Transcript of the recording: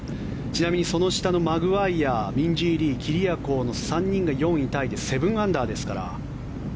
ちなみにその下のマグワイヤミンジー・リーキリアコーの３人が４位タイで７アンダーですから。